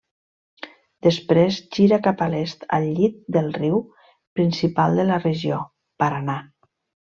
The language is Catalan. Després gira cap a l'est al llit del riu principal de la regió, Paranà.